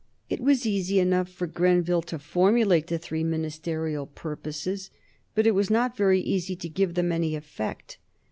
It was easy enough for Grenville to formulate the three ministerial purposes, but it was not very easy to give them any effect.